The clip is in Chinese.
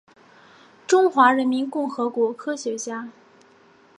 中华人民共和国科学家。